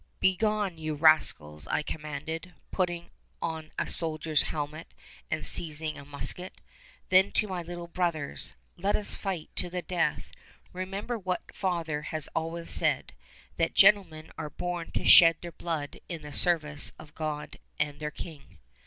"Begone, you rascals," I commanded, putting on a soldier's helmet and seizing a musket. Then to my little brothers: "Let us fight to the death! Remember what father has always said, that gentlemen are born to shed their blood in the service of God and their King."